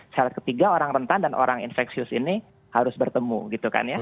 syarat ketiga orang rentan dan orang infeksius ini harus bertemu gitu kan ya